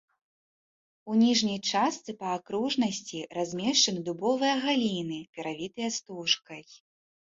У ніжняй частцы па акружнасці размешчаны дубовыя галіны, перавітыя стужкай.